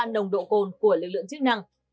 nồng độ cồn của lực lượng chức năng